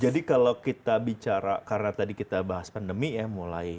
jadi kalau kita bicara karena tadi kita bahas pandemi ya mulai